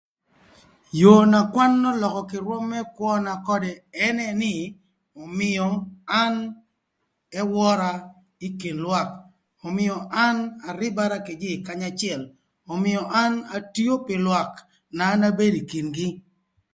Yoo na kwan ölökö kï rwöm më kwöna ködë ënë nï ömïö an ëwöra ï kin lwak ömïö an arïbara kï jïï kanya acël ömïö an atio pï lwak na an abedo ï kin-gï.